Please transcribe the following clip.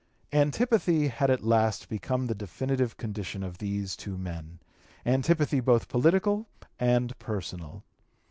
Antipathy had at last become the definitive condition of these two men antipathy both political and personal.